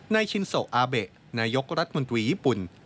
ชินโซอาเบะนายกรัฐมนตรีญี่ปุ่น